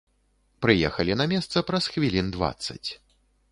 Прыехалі на месца праз хвілін дваццаць.